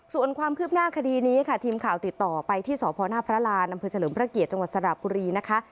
ส่วนความคืบหน้าคดีนี้ค่ะทีมข่าวติดต่อไปที่สพหน้าพระรานอำเภอเฉลิมพระเกียรติจังหวัดสระบุรีนะคะ